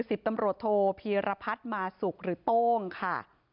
สิบตำรวจโทพีรพัฒน์มาสุกหรือโต้งค่ะ